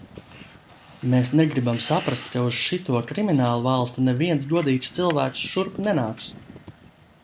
Mēs negribam saprast, ka uz šito kriminālvalsti neviens godīgs cilvēks šurp nenāks.